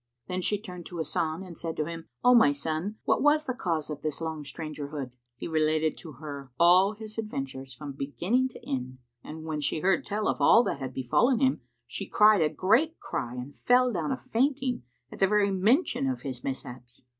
Then she turned to Hasan and said to him, "O my son, what was the cause of this long strangerhood?" He related to her all his adventures from beginning to end; and when she heard tell of all that had befallen him, she cried a great cry and fell down a fainting at the very mention of his mishaps.